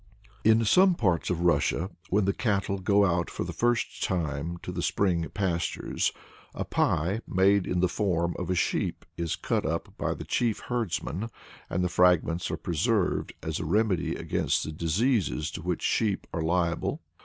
In some parts of Russia, when the cattle go out for the first time to the spring pastures, a pie, made in the form of a sheep, is cut up by the chief herdsman, and the fragments are preserved as a remedy against the diseases to which sheep are liable.